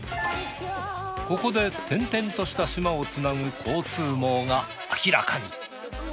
ここで点々とした島をつなぐ交通網が明らかに。